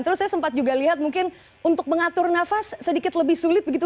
terus saya sempat juga lihat mungkin untuk mengatur nafas sedikit lebih sulit begitu